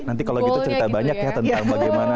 nanti kalau gitu cerita banyak ya tentang bagaimana